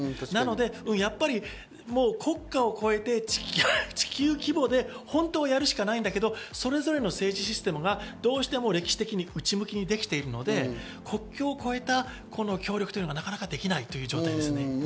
なので国家を越えて地球規模で本当はやるしかないんだけど、それぞれの政治システムがどうしても歴史的に内向きにできているので、国境を越えた協力というのがなかなかできない状態ですね。